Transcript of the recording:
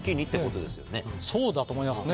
そうだと思いますね。